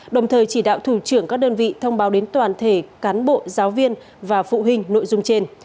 đồng thời chỉ đạo thủ trưởng các đơn vị thông báo đến toàn thể cán bộ giáo viên và phụ huynh nội dung trên